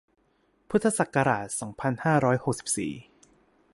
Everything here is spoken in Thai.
พุทธศักราช สองพันห้าร้อยหกสิบสี่